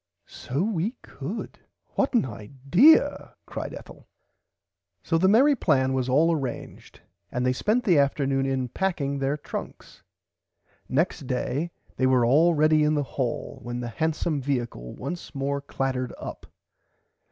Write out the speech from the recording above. [Pg 75] So we could what an idear cried Ethel. So the merry plan was all arranged and they spent the afternoon in packing there trunks. Next day they were all ready in the hall when the handsome viacle once more clattered up.